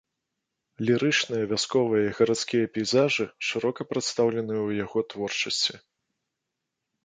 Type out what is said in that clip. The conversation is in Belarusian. Лірычныя, вясковыя і гарадскія пейзажы шырока прадстаўлены ў яго творчасці.